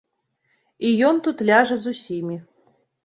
І ён тут ляжа з усімі.